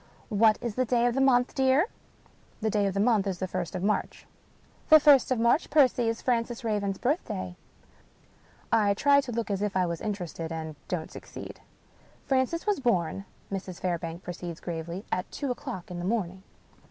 " What is the day of the month, dear? "*' The day of the month is the first of March." "The first of March, Percy, is Francis Raven's birth day." I try to look as if I was interested — ^and don't succeed. " Francis was bom," Mrs. Fairbank proceeds gravely, " at two o'clock in the morning."